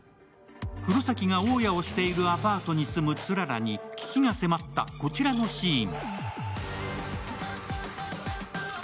黒崎が大家をしているアパートに住む氷柱に危機が迫ったこちらのシーン。